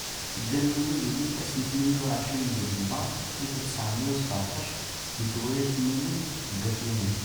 Dda Lmulud ilul ass tmenya u ɛecrin Duǧember Alef u ttɛemya u sbaɛṭac di Tewrirt Mimun deg At Yanni.